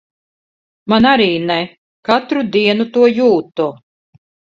Man arī ne. Katru dienu to jūtu.